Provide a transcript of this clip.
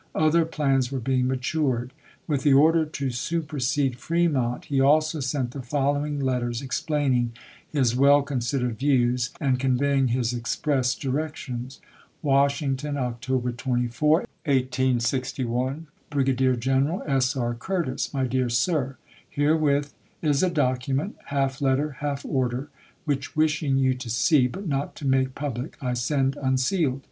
Other plans were being matured. With the order to supersede Fremont he also sent the following MILITAEY EMANCIPATION 437 letters, explaining his well considered views and ch. xxiv. conveying his express directions: Washington, Oct. 24, 1861. Brigadier General S. R. Curtis. My Dear Sir : Herewith is a document — half letter, half order — which, wishing you to see, but not to make public, I send unsealed.